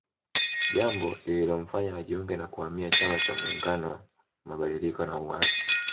Jambo lililomfanya ajiunge na kuhamia chama cha muungano mabadiliko na uwazi